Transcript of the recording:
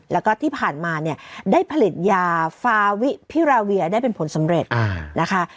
แล้วก็ที่ผ่านมาเนี่ยได้ผลิตยาฟาวิพิราเวียได้เป็นผลสำเร็จนะคะ